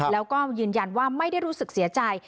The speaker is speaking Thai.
แล้วก็ยืนยันว่าไม่ได้รู้สึกเสียใจ